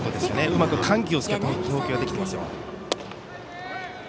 うまく緩急を使った投球ができていますよ。